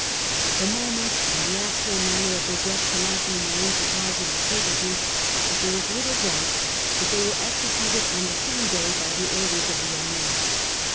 The moment and the actual manner of their death cannot be known to positive certainty, but there is little doubt that they were executed on the same day by the orders of the Ameer.